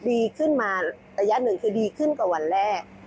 ดีขึ้นมาระยะหนึ่งคือดีขึ้นกว่าวันแรก